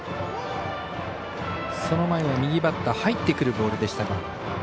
その前は右バッター入ってくるボールでしたが。